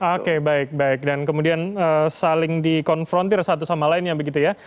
oke baik baik dan kemudian saling dikonfrontir satu sama lainnya begitu ya